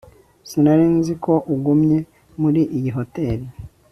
sinari nzi ko ugumye muri iyi hoteri